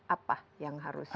apa yang harus dibahagi